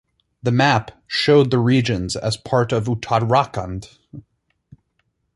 The map showed the regions as part of Uttarakhand.